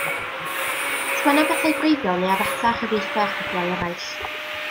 Sgwenna bethau gwreiddiol neu addasa a chyfieitha erthyglau eraill.